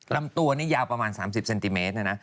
ลำดวนยาวประมาณสามสิบเซนติเมตร